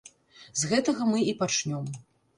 З гэтага мы і пачнём.